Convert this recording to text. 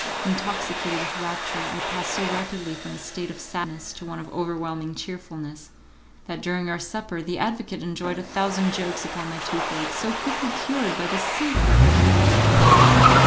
Intoxicated with rapture, I passed so rapidly from a state of sadness to one of overwhelming cheerfulness that during our supper the advocate enjoyed a thousand jokes upon my toothache, so quickly cured by the simple remedy of a walk.